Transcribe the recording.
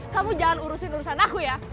kamu jangan urusin urusan aku ya